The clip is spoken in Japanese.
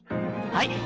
はい！